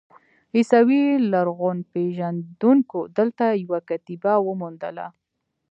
عیسوي لرغونپېژندونکو دلته یوه کتیبه وموندله.